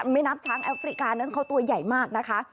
แม่น้ำช้างแอฟริกานั้นเขาตัวใหญ่มากนะคะ